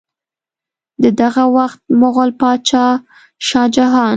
د دغه وخت مغل بادشاه شاه جهان